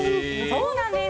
そうなんです。